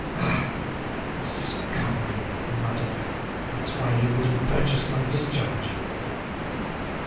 "Ah! the scoundrel!" he muttered; "that's why he wouldn't purchase my discharge."